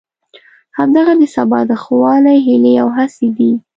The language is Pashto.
همدغه د سبا د ښه والي هیلې او هڅې دي.